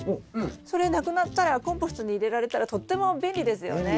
それなくなったらコンポストに入れられたらとっても便利ですよね。